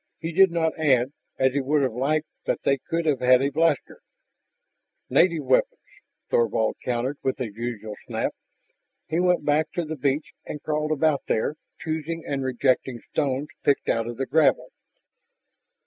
He did not add, as he would have liked that they could have had a blaster. "Native weapons," Thorvald countered with his usual snap. He went back to the beach and crawled about there, choosing and rejecting stones picked out of the gravel.